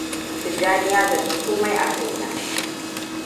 Tijjania ya zargi komai a kaina.